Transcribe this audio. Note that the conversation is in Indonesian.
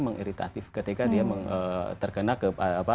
mengiritatif ketika dia terkena